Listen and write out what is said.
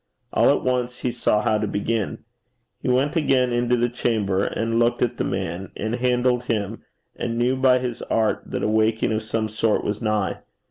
All at once he saw how to begin. He went again into the chamber, and looked at the man, and handled him, and knew by his art that a waking of some sort was nigh.